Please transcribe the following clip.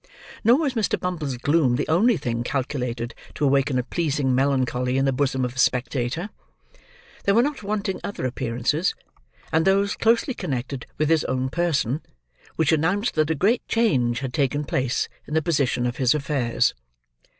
Nor was Mr. Bumble's gloom the only thing calculated to awaken a pleasing melancholy in the bosom of a spectator. There were not wanting other appearances, and those closely connected with his own person, which announced that a great change had taken place in the position of his affairs.